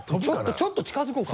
ちょっと近づこうか？